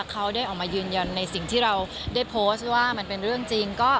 เขาได้ออกมายืนยันในสิ่งที่เราได้โพสต์ว่ามันเป็นเรื่องจริง